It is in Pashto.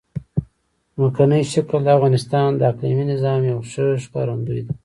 ځمکنی شکل د افغانستان د اقلیمي نظام یوه ښه ښکارندوی ده.